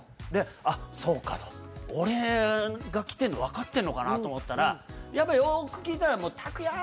「あっそうか」と俺が来てんの分かってんのかなと思ったらやっぱよく聞いたら